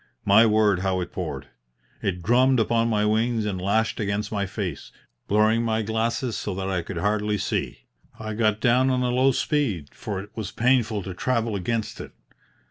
My word, how it poured! It drummed upon my wings and lashed against my face, blurring my glasses so that I could hardly see. I got down on to a low speed, for it was painful to travel against it.